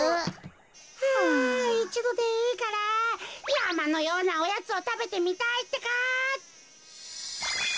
あいちどでいいからやまのようなおやつをたべてみたいってか。